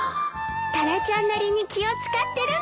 タラちゃんなりに気を使ってるんだと思うわ。